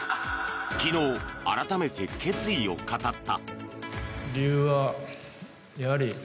昨日、改めて決意を語った。